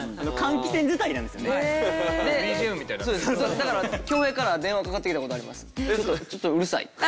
だから恭平から電話がかかってきた事あります。